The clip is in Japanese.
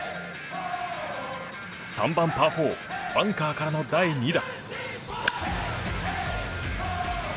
３番、パー４バンカーからの第２打。